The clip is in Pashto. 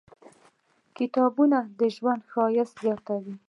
• کتابونه، د ژوند ښایست زیاتوي.